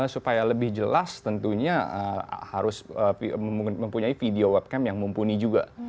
supaya lebih jelas tentunya harus mempunyai video webcam yang mumpuni juga